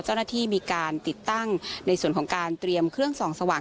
เจ้าหน้าที่มีการติดตั้งในส่วนของการเตรียมเครื่องส่องสว่าง